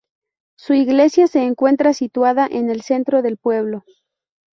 Su iglesia se encuentra situada en el centro del pueblo.